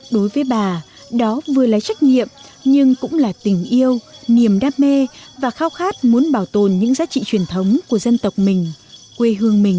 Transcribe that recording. đối với bà đó vừa là trách nhiệm nhưng cũng là tình yêu niềm đam mê và khao khát muốn bảo tồn những giá trị truyền thống của dân tộc mình quê hương mình